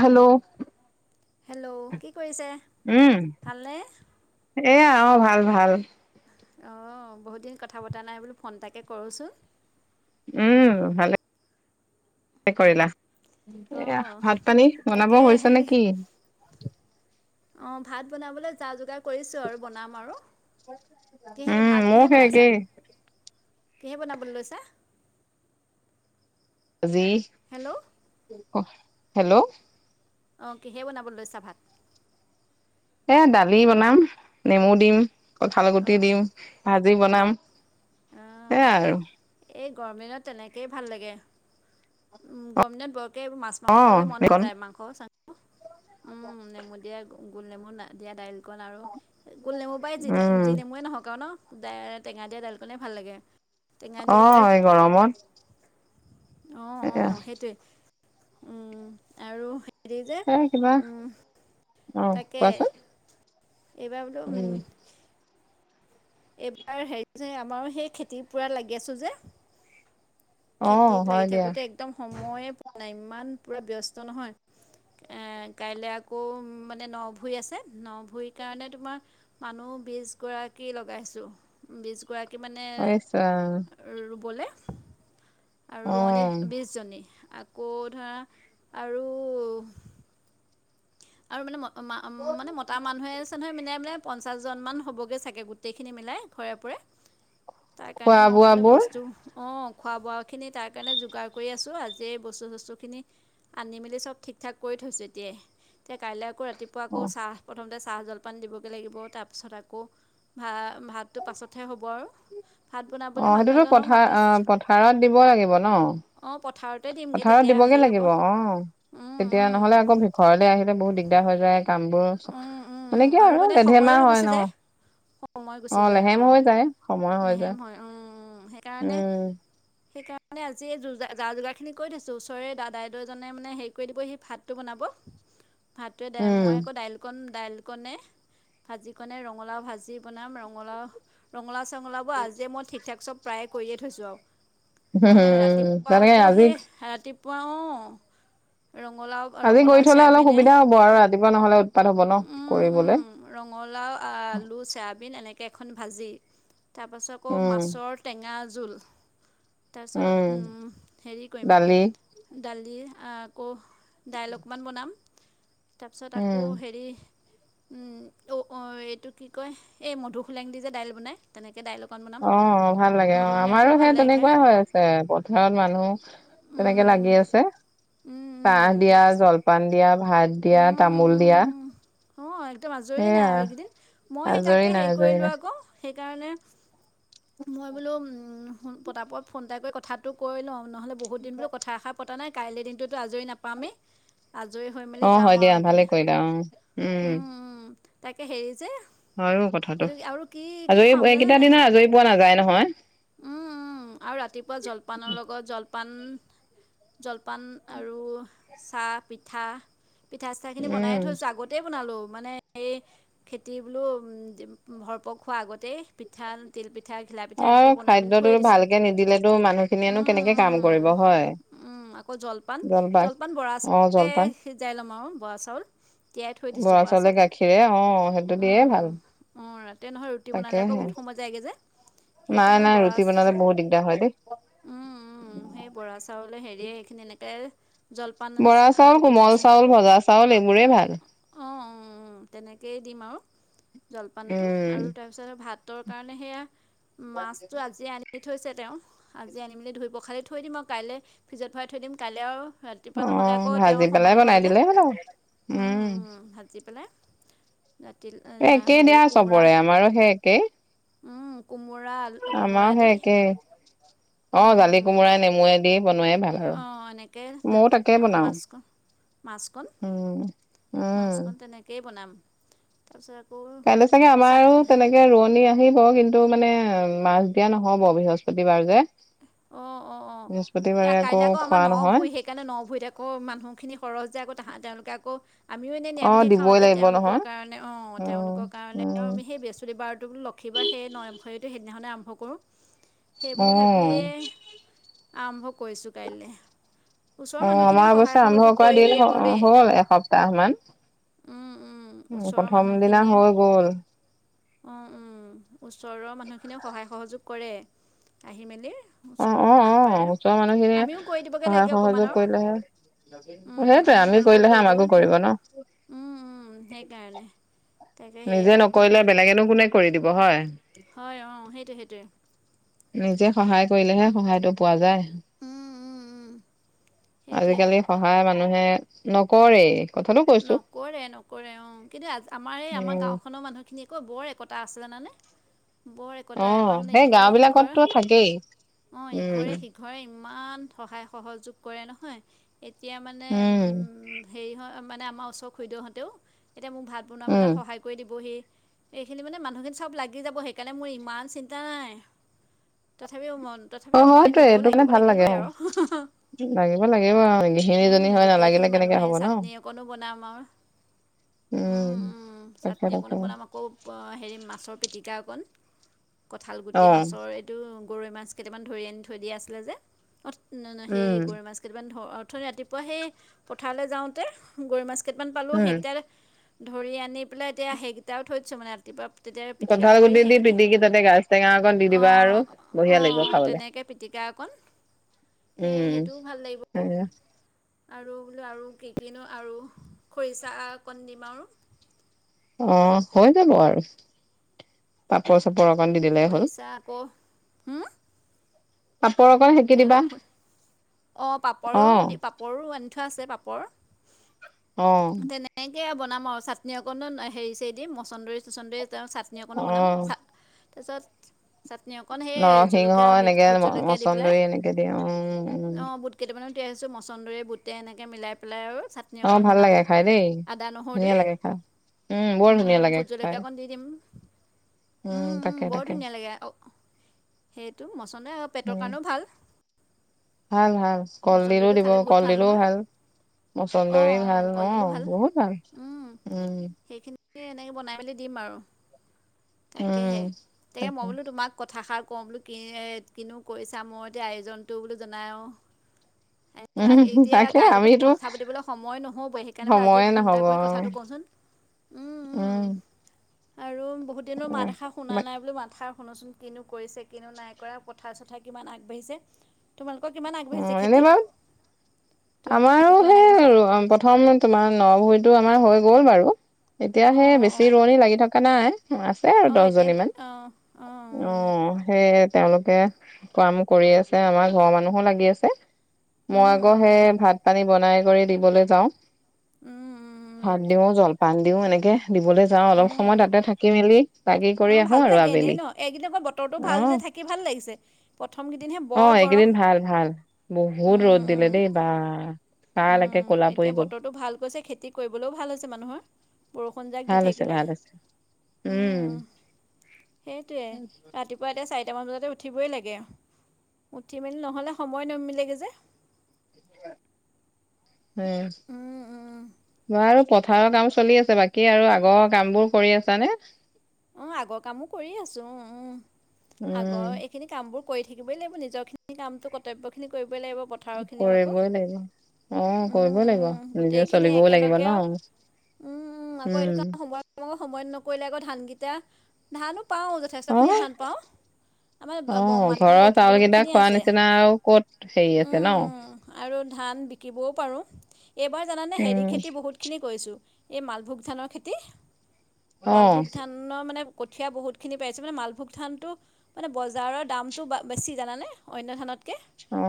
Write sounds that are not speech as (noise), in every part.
Hello. Hello কি কৰিছে? উম ভালনে? এয়া অ ভাল ভাল। অ বহুত দিন কথা পতা নাই বোলো ফোন এটাকে কৰো চোন। উম ভালে কৰিলা। এয়া অঁ ভাত - পানী বনাব তাকে হৈছে নেকি? অ ভাত বনাবলৈ যা - যোগাৰ কৈছে আৰু বনাম আৰু, কিহে উম ভাত মোৰ কিহে সেই বনাইছা? একেই কিহে বনাবলৈ লৈছা? যি হেল্ল'! অ হেল্ল'? অঁ কিহে বনাবলৈ লৈছা ভাত? এ দালি বনাম, নেমু দিম, কঁঠাল গুটি অঁ দিম। ভাজি অঁ বনাম অঁ সেয়াই আৰু। এই গভমেণ্টত তেনেকেই ভাল লাগে, গভমেণ্টত বৰকে মাছ মাংস অ খাবলৈ মন এইকণ নাযায়, মাংস - চা উম নেমু দিয়া গোল নেমু দিয়া দাইলিকন আৰু গোল নেমু পায় যি ডাল উম যি নেমু নহক আৰু ন টেঙা দিয়া দাইল কোণে ভাল লাগে। অ এই গৰমত অ অ এয়া সেইটোৱে উম আৰু হেৰি যে এ কিবা উম। অ কোৱাচোন? এইবাৰতো উম। এইবাৰ হেৰি যে আমাৰো সেই খেতিৰ পূৰা লাগি আছো যে। অ খেতিত লাগি হয় দিয়া থাকোতে একদম সময়ে পোৱা নাই ইমান পুৰা ব্যস্ত নহয়। এ কাইলৈ আকৌ মানে ন ভূৰি আছে ন ভুইৰ কাৰণে তোমাৰ মানুহ বিশ গৰাকী লগাইছোঁ বিশ গৰা কি মানে ৰুবলে। আৰু অ ৰোৱনী বিশজনী আকৌ ধৰা আৰু আৰু মানে ম মানে মতা মানুহে আছে নহয় মানাই বোলে পঞ্চাছজনমান হ'বগৈ চাগে গোটেইখিনি মিলাই ঘৰে পোৰে। তাৰ কাৰণে খোৱা মই মানে বোৱাবোৰ বস্তু অঁ খোৱা বোৱাখিনি তাৰ কাৰণে যোগাৰ কৰি আছোঁ আজিয়ে বস্তু - চস্তুখিনি আনি মেলি চব ঠিক ঠাক কৰি থৈছোঁ এতিয়াই, এতিয়া কাইলৈ আকৌ ৰাতিপুৱা অ আকৌ চাহ প্ৰথমতে চাহ জল পান দিবগৈ লাগিব তাৰপিছত আকৌ ভা ভাতটো পাছতহে হ'ব আৰু। ভাত বনাবলৈ অ মানুহ সেইটোতো এজনক পথাৰ মাতি অ পথাৰত দিব লাগিব ন। অঁ পথাৰতে দিম। পথাৰত দিবগে লাগিব অ, উম তেতিয়া উম নহলে আকৌ ঘৰলৈ আহিলে বহুত দিগদাৰ হৈ যায়। কামবোৰ চব উম উম উম মানে কিয় আৰু মানে সময়ো লেধেমা হয় গুচি ন। যায় সময় অ, গুচি যায় লেহেম অঁ হৈ যায় সময় হৈ নেহেম যায়। হয় অঁ সেইকাৰণে উম - সেইকাৰ মানে আজি এই যো যা যোগাৰখিনি কৰি থৈছো ওচৰে দাদাইদউজনে মানে হেৰি কৰি দিব সেই ভাতটো বনাব। ভাতোৱে দাই উম মই আকৌ দাইল কন - দাইল কনে ভাজিকনে ৰঙালাও ভাজি বনাম ৰঙালাও - ৰঙালাও চঙলাও হ'ব আজে মই ঠিকঠাক চব প্ৰায়ে কৰিয়ে থৈছো আৰু। নহ'লে উম ৰাতিপুৱা তেনেকে আকৌ আজি সেই ৰাতিপুৱা অ, ৰঙালাও আজি গৈ ৰঙালাও থলে অলপ চয়াবিনে সুবিধা হব আৰু ৰাতিপুৱা নহলে উৎপাত হব ন উম উম কৰিবলৈ। ৰঙালাও, আলু, চয়াবিন এনেকৈ এখন ভাজি তাৰপাছত আকৌ উম মাছৰ টেঙা জোল তাৰপিছত উম হেৰি কৰিম দালি দালি আকৌ দাইল অকণমান বনাম তাৰপিছত উম কো হেৰি উম, অ, এইটো কি কয় এই মধু খোলেং দি যে দাইল বনায়। তেনেকে দাইল অকন বনাম। অ, ভাল লাগে অ, মধুসোলেংটোও আমাৰো ভাল সেই লাগে খাই তেনেকুৱাই হৈ আছে পথাৰত মানুহ তেনেকে লাগি আছে চাহ দিয়া তাৰপিছত জলপান দিয়া ভাত দিয়া তামোল দিয়া। অ, একদম আজৰি সেয়া নাই আৰু এইকেইদিন মই সেই আজৰি তাকে নাই হেৰি আজৰি কৰিলো নাই আকৌ সেইকাৰণে মই বোলো উমমহ ফোন পতাপত ফোন এটা কৰি কথাটো কৈ লও নহ'লে বহুত দিন বোলো কথা এষাৰ পতা নাই কাইলে দিনটো তো আজৰি নাপামে আজৰি হৈ মে অ যাম হয় আৰু দিয়া ভালে এদিন কৰিলা অ উম - উম, তাকে হেৰি যে হয়ও কথাটো এইটো কি- আৰু কি কি আজৰি খুৱাম জানে এইকেইটা নাই? দিনা আজৰি পোৱা নাযায় নহয়। উম উম আৰু ৰাতিপুৱা জলপানৰ লগত জলপান জলপান আৰু চাহ পিঠা - পিঠা চিঠাখিনি বনায়ে উম থৈছো আগত তেই বনালো মানে সেই খেতি বোলো উম ভৰপক হোৱা আগতেই পিঠাল তিলপিঠা ঘিলা পিঠা অ এনেকে বনাই মেলি খাদ্যটো থৈয়ে দিছো ভালকে নিদিলেতো মানুহখিনিয়েনো উম কেনেকে কাম কৰিব হয় উম উম, আকৌ জলপান জলপান বৰা অ চাউলে জলপান সিজাই ল'ম আৰু বৰা চাউল। তিয়াই থৈ দিছো বৰা চাউলে চাউল গাখীৰে অ সেইটো দিয়ে ভাল উম অ, ৰাতেই নহয় ৰুটি বনালে তাকেহে বহুত সময় যায়গে যে। নাই - সেইকাৰণে নাই বৰা ৰুটি বনালে বহুত দিগদাৰ হয় দেই। উম - উম সেই বৰা চাউলে হেৰিয়ে সেইখিনি এনেকে বৰা চাউল, কোমল চাউল, ভজা চাউল এইবোৰেই ভাল। অ', উ উম', তেনেকেই দিম আৰু জলপানটো উম আৰু তাৰপিছত আৰু ভাত তৰ কাৰণে সেয়া মাছটো আজিয়ে আনি আনি থৈছে তেওঁ আজি আনি মেলি ধুই পখালি থৈ দিম আৰু কাইলে ফ্ৰিজত ভৰাই থৈ দিম। কাইলে আৰু ৰা ৰাতিপুৱা নহ'লে অ', আকৌ তেওঁ ভাজি পেলাই সময় নাপাব বনাই যে দিলেই হ'ল আৰু। উম - উম, ভাজি পেলাই। নাটিল আ এই একেই দিয়া চবৰে আমাৰো সেই একেই। উম, কোমোৰা আল আমাৰো সেই একেই অ জালি উম, কোমোৰাই নেমুৱে দি বনোৱাই ভাল। হ অঁ এনেকৈ মইয়ো তেন- তাকে অঁ, বনাও মাছকণ মাছকণ উম উম, মাছকণ তেনেকেই বনাম তাৰপিছত আকৌ চাটন তে ৰোৱনি আহিব কিন্তু মানে মাছ দিয়া নহব বৃহস্পতিবাৰ যে। অ', অ', ', এইয়া বৃহস্পতিবাৰে কাইলে আকৌ আমাৰ খোৱা ন নহয় ভূই শেষ সেইকাৰণে ন ভুইত আকৌ মানুহখিনি সৰহ যে আকৌ তাহা তেওঁলোকে আকৌ আমিও এনেই অ', নিৰামিষেই খাও দিবই এতিয়া লাগিব তেওঁলোকৰ নহয় কাৰণে অ, উম। তেওঁলোকৰ কাৰণে আৰু উম, আমি সেই বৃহস্পতিবাৰটো বোলো লক্ষী বাৰ সেই ন ভুইটো সেইদিনাখনেই আৰম্ভ কৰো সেই বুলি ভাব অ', আৰম্ভ কৰিছো কাইলে। ওচৰৰ অ', আমাৰ মানুহখিনিও সহায় অৱশ্যে আৰম্ভ সহযোগ কৰা কৰি দিন দিয়ে বাৰু দেই। হ'ল উম, উম, মো ওচৰৰ প্ৰথম দিনা হৈ গ'ল। অ উম ওচৰৰ মানুহখিনিয়েও সহায় সহযোগ কৰে। আহি মেলি অ ওচৰত অ যিমান অ পাৰে ওচৰৰ মানুহখিনিয়ে আমিও কৰি দিবগে লাগে অকণমান আৰু। অ উম, সেইটোৱে আমিও আমি তেওঁলোকক কৰিলেহে কৈ দিওঁ আমাকো কৰিব ন। উম উম সেইকাৰণে তাকে নিজে সেয়াই বোলো নকৰিলে বেলেগেনো কোনে কৰি দিব হয়। হয় অ সেইটোৱে সেইটোৱে। নিজে সহায় কৰিলেহে সহায়টো পোৱা যায়। উম উম উম সেইটোৱে আজিকালি সহায় মানুহে নকৰেই। কথাটো কৈছো নকৰে নকৰে অ কিন্তু আজি আমাৰ এই আমাৰ উম গাওঁখনৰ মানুহখিনিক কৌ বৰ একতা আছে জানানে ব-এ অ কটাই আমাৰ মানে সেই গাওঁ ইঘৰে সিঘৰে বিলাকততো থাকেই অ উম ইঘৰে সি ঘৰে ইমান সহায় সহযোগ কৰে নহয় এতিয়া মানে উম হেৰি হয় মানে আমাৰ ওচৰ খুৰি দেউহতেও এতিয়া মোক ভাত বনোৱা উম মেলাত সহায় কৰে কৰি দিবহি, এইখিনি মানে মানুহখিনি চব লাগি যাব সেইকাৰণে মোৰ ইমান চিন্তা নাই। তথাপিও মন অ তথাপিও মই হয়টোৱে নিজেও লাগিব লাগিবই আৰু। লাগিবই লাগিব অ উম, গৃহিণীজনী হয় নালাগিলে গোটেইখিনি মানুহ কেনেকে আহি হব ন। চাটনি অকণো বনাম আৰু উম উম তাকে চাটনি তাকে অকণো বনাম আৰু। আকৌ হেৰি মাছৰ পিটিকা অকণ, কঁঠাল অ গুটি মাছৰ গৰৈ মাছ কেইটামান ধৰি আনি থৈ দিয়া আছিলে যে সেই উম গৰৈ মাছ কেইটামান অথনি ৰাতিপুৱা সেই পথাৰলৈ যাওঁতে গৰৈ মাছ কেইটামান পালোঁ উম সেইকেইটা ধৰি আনি পেলাই এতিয়া সেইকেইটাও থৈ দিছোঁ মানে ৰাতিপুৱা তেতিয়া পিটিকা কঁঠাল কৰি গুটি দি সেইখিনি পিটিকি তাতে গাজ টেঙা অকণ দি দিবা আৰু অঁ বঢ়িয়া অঁ লাগিব অঁ খাবলে। তেনেকৈ পিটিকা অকণ সেয় উম। সেইটোও ভাল লাগিব। এয়া আৰু বোলো আৰু কি কি নো আৰু খৰিচা অকণ দিম আৰু। অ হৈ যাব আৰু। পাপৰ চাপৰ অকণ দি দিলে হ'ল, খৰিচা আকৌ পাপৰ অকণ সেকি দিবা হেল্ল' অঁ অ পাপৰো দি পাপ পাপৰো আনি থোৱা আছে পাপৰ, অ তেনে এনেকে বনাম আৰু চাটনি অকণো হেৰি চেৰি দিম মচন্দৰী চচন্দৰি চাট পানি অ। অকণো বনাম চা তাৰপিছত চাটনি অকণ সেই জলকীয়া বি ভোট জলকীয়া দি পেলাই। কেতি উম। উম। অ বুট কেইটামানো তিয়াই থৈছোঁ মচন্দৰি বুটে এনেকে মিলাই পেলাই আৰু চা নি অ অকণ ভাল বনাম লাগে খাই দেই আদা নহৰু দি। ধুনীয়া লাগে খাই। বৰ উম ধুনীয়া লাগে ভুট খাই জলকীয়া অকণ দি দিম। উম উম তাকে বৰ তাকে ধুনীয়া লাগে আও, সেইটো মচন্দৰি পেটৰ উম। কাৰণেও ভাল। ভাল ভাল কলডিলো মচন্দৰীটো দিব, খালে বহুত কলডিলো নহয় ভাল। অঁ মচন্দৰী অঁ ভাল কলদিলো অহঁ বহুত ভাল উম, উম। সেইখিনি এনেকৈ বনাই মেলি দিম আৰু, উম তাকেহে তাকে মই বোলো তোমাক- কথাষাৰ কওঁ বোলো কি কিনো কৰিছা মই এতিয়া আয়োজনটো বোলো জনায় আউ- উম তাকে কাইলৈতো আমিতো কথা পাতিবলৈ সময় নহ'বই সেইকাৰণে বোলো আজিয়ে সময়ে ফোন এটা নহব কৰি অঁ। কথাটো কওঁচোন উম আৰু বহুতদিনৰ মাত এষাৰ শুনা উম নাই বোলো মাত খাৰ শুনোচোন কিনো কৰিছে কিনো নাই কৰা পথাৰ -চথাৰ কিমান আগবাঢ়িছে। তোমালোকৰ কিমান আগবাঢ়িছে খে এইবাৰ আমাৰো কিমান আগবাঢ়িছে সেই প্ৰথম তোমাৰ ন-ভোৰিটো আমাৰ হৈ গ'ল বাৰু। এতিয়া অঁ সেই অঁ অঁ বেছি ৰোৱনী লাগি থকা নাই আছে আৰু অঁ দহ এতিয়া জনী মান। অঁ অঁ অ সেইে তেওঁলোকে- কাম কৰি আছে আমাৰ ঘৰৰ মানুহো লাগি আছে। মই উম আকৌ উম সেই ভাত পানী বনাই কৰি দিবলৈ যাওঁ। উম উম ভাত দিওঁ জলপান দিওঁ এনেকে দিবলৈ যাওঁ অলপ সময় তাতে থাকি মেলি- বাগি কৰি অঁ আহো ভালো আৰু লাগে আবেলি এনেই ন এদিনাখন বতৰটো ভাল যে অ থাকি ভাল লাগিছে। প্ৰথমকেইদিনহে অ বৰ এইকেইদিন গৰম। ভাল ভাল। বহুত উম, ৰ'দ দিলে উম। দেই বা। ছাল একে উম ক'লা পৰি এতিয়া গ'ল বতৰটো ভাল কৈছে খেতি কৰিবলৈও ভাল হৈছে মানুহৰ- বৰষুণ যাক দি ভাল হৈছে থাকিলে। ভাল হৈছে উম সেইটোৱে ৰাতিপ- পোতে চাৰিটামান বজাতে উঠিবই লাগে উঠি মেলি নহ'লে সময় নিমিলেগে যে। উম উম, উম। মোৰ আৰু পথাৰৰ কাম চলি আছে। বাকী আৰু আগৰ, কামবোৰ কৰি আছানে? অ'! আগৰ কামো, কৰি আছোঁ। উম, উম! উম আগৰ এ সেইখিনি কামবোৰ, কৰি থাকিবই লাগিব। নিজৰখিনি, কামটো কৰ্তব্যখিনি, কৰিবই লাগিব। পথাৰ খিনি আকৌ। কৰিবই লাগিব অ উম, কৰিবই লাগিব উম! নিজে গোটেইখিনি চলিবও লাগিব ন একেলগেও। উম, উম! আকৌ, এইটো কাৰণ, সময়- সময়ত নকৰিলে, আকৌ ধানকেইটা, ধানো পাওঁ। অ যথেষ্টখিনি, ধান পাওঁ। আমাৰ, অ মাটিও, ঘৰৰ চাউল বহুত-বহুত কেইটা খিনিয়ে খোৱা আছে। নিচিনা আৰু ক'ত হেৰি আছে ন উম! আৰু ধান বিক্ৰীবও পাৰোঁ। এইবাৰ জানানে, হেৰি খেতি, বহুত খিনি কৰিছোঁ। এই, মালভোগ ধানৰ খেতি, অ অ মালভোগ ধান। ন' মানে, কঠীয়া বহুত খিনি পাইছোঁ। মানে, মালভোগ ধানটো। মানে, বজাৰৰ দামটো বেছি! জানানে? অন্য ধানতকে।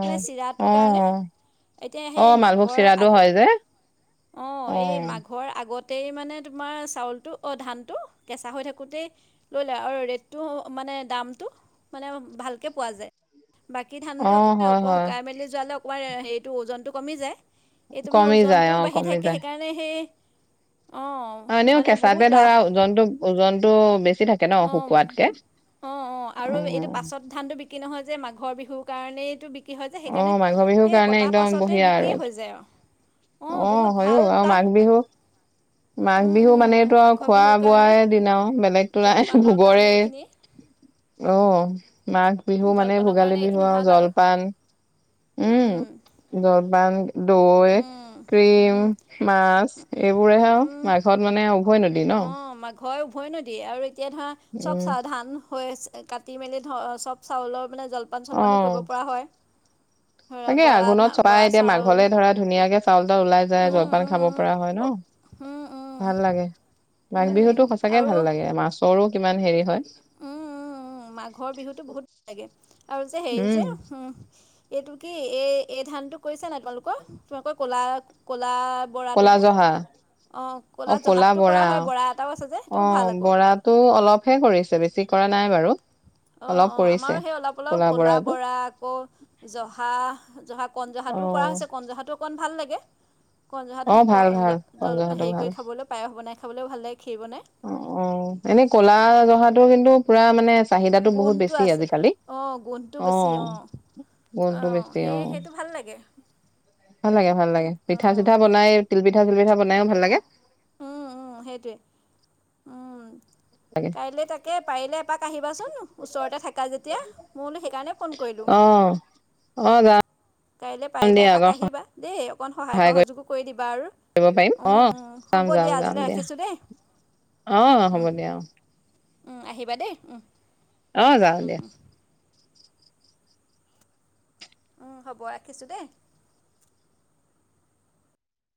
মানে, চিৰাটোৰ অ কাৰণে। এতিয়া, অ সেই মালভোগ মাঘৰ চিৰাটো আগ অ'! হয় যে অ এই, মাঘৰ আগতেই মানে, তোমাৰ চাউলটো, অ'! ধানটো কেঁচা হৈ থাকোঁতেই, লৈ লয়। আৰু ৰেটটো, মানে দামটো, মানে ভালকৈ পোৱা যায়। বাকী, অ ধানটো হয় আকৌ, হয় শুকাই মেলি যোৱালে, অকণমান হেৰিটো, ওজনটো কমি যায়। এইটো মানে, কমি যায় ওজনটোও অ বাঢ়ি কমি থাকে। যায় সেইকাৰণে, সেই, অ'! হয়। এনেও, কেঁচাতে ধৰা, ওজনটো-ওজনটো বেছি থাকে। ন অ'! শুকুৱাতকে অ' অ'! আৰু এইটো, পাছত ধানটো বিক্ৰী নহয়, যে। মাঘৰ বিহুৰ কাৰণেইটো, বি বিক্ৰী হৈ যায়। অ সেইকাৰণে, মাঘৰ বিহুৰ সেই কাৰণে কটাৰ একদম পাছতেই, বঢ়িয়া আৰু বিক্ৰীয়ে এইটো। হৈ যায়। অ'! অ'! বহুত হয়ো ভাল, আৰু মাঘ লাভ হয়। বিহু মাঘ উম, বিহু উম, উম! মানেটো আৰু মাঘৰ খোৱা বিহুৰ কাৰণে, বোৱাৰে দিন আৰু বেলেগতো নাই জলপানৰ ভোগৰে কাৰণে, এইখিনি। (inaudible) অ' অ'! নাই। বিহু মানে, জলপানৰ ভোগালী কাৰণে বিহু এইখিনি আৰু ভাল জলপান। উম! জলপান, দৈ, ক্ৰীম, মাছ, এইবোৰেহে আৰু। মাঘত মানে, উভৈনদী ন অ'! মাঘৰ উভৈনদী। আৰু এতিয়া ধৰা, চব উম (unintelligible) ধান হৈ আছে। কাটি- মেলি ধৰ, চব চাউলৰ মানে, জলপান- চলপানো, অ কৰিব পৰা হয়। ধৰা তাকে, বৰা ধা আঘোণত (unintelligible) বৰা এতি, য়া চাউল মাঘলে ধৰা, ধুনীয়াকে চাউল- টাউল ওলাই যায়, উম, জলপান উম, খাব উম, পৰা হয়, ন'। উম, উম, ভাল লাগে, মাঘ উম। বিহুতো, সচাঁকে ভাল আৰু লাগে! মাছৰো কিমান, হেৰি হয়। উম, উম, উম! মাঘৰ বিহুতো বহুত লাগে। আৰু যে, হেৰি যে, উম উম! এইটো কি? এই, এই ধানটো কৰিছা, নাই তোমালোকৰ? তোমালোকৰ, ক'লা-ক'লা ক'লা জহা? অ'! ক'লা জহাটো কৰা হয়, বৰা এটাও আছে যে, সেইটোও ভাল আকৌ। ত' অলপহে কৰিছে, বেছি কৰা নাই বাৰু। অ' অলপ অ'! কৰিছে আমাৰো, সেই অলপ- অলপ ক'লা বৰা, আকৌ, জহা-জহা। অ কনজহাটোও, কৰা হৈছে, কনজহাটো অকণমান, ভাল লাগে। অ কণজহাটো, ভাল ভাল (unintelligible) কলা জল, জহাটো হেৰি ভাল কৰি খাবলৈও, পায়স বনাই খাবলৈও, ভাল লাগে! ক্ষীৰ বনাই। অ' অ'! এনেই ক'লা জহাটো, কিন্তু, পূৰা মানে, চাহিদাটো বহুত গোন্ধটো বেছি, আছে আজিকালি। অঁ গোন্ধটো বেছি অ'! অঁ গুণটো, অঁ বেছি সেই অ'! সেইটো ভাল লাগে ভাল লাগে, ভাল লাগে। পিঠা- অঁ চিঠা বনাই, তিল পিঠা- চিল পিঠা, বনাইও ভাল লাগে। অ'! সেইটোৱে, উম! তাকে। কাইলৈ তাকে, পাৰিলে এপাক আহিবাচোন? ওচৰতে থাকা, যেতিয়া। মই বোলো, সেইকাৰণে, ফোন কৰিলোঁ। অ অ'! যাম। কাইলৈ পাৰিলে, দিয়া আকৌ এপাক আহিবা, দেই? অকণমান, সহায়- সহযোগো কৰি দিবা আৰু। কৰিব পাৰিম উম, অ উম! যাম হ'ব যাম দিয়া। যাম আজিলৈ, ৰাখিছোঁ দেই। অ উহ, উহ। হ'ব দিয়া অ উম আহিবা দেই, উমহ। অ যাওঁ দিয়া। উম হ'ব ৰাখিছোঁ দেই।